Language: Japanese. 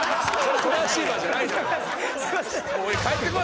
トランシーバーじゃないんだよ。